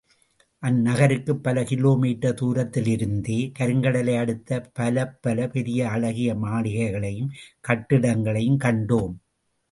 அந்நகருக்குப் பல கிலோமீட்டர் துரத்திலிருந்தே, கருங்கடலை அடுத்து, பலப்பல பெரிய அழகிய மாளிகைகளையும் கட்டிடங்களையும் கண்டோம்.